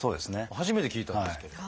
初めて聞いたんですけれど。